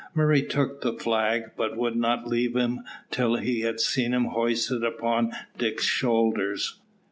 Murray took the flag, but would not leave him till he had seen him hoisted upon Dick's shoulders.